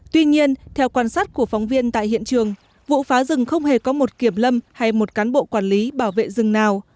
tuy nhiên theo quan sát của phóng viên tại hiện trường vụ phá rừng không hề có một kiểm lâm hay một cán bộ quản lý bảo vệ rừng nào